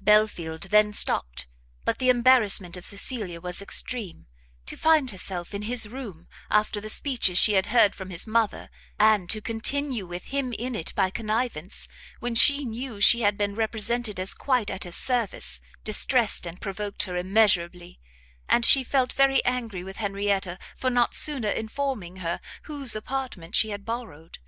Belfield then stopt; but the embarrassment of Cecilia was extreme; to find herself in his room after the speeches she had heard from his mother, and to continue with him in it by connivance, when she knew she had been represented as quite at his service, distressed and provoked her immeasurably; and she felt very angry with Henrietta for not sooner informing her whose apartment she had borrowed.